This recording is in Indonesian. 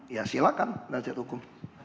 ya silahkan penasihat hukum